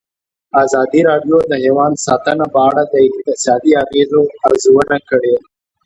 ازادي راډیو د حیوان ساتنه په اړه د اقتصادي اغېزو ارزونه کړې.